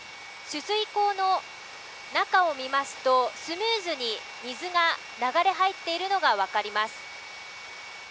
取水口の中を見ますとスムーズに水が流れ入っているのが分かります